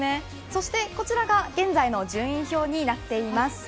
そしてこちらが現在の順位表になっています。